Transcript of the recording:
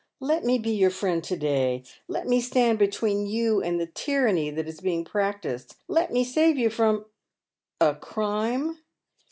Let me be your friend to day. Let me stand between you and the tyranny that is being practised — let me save you from "" A crime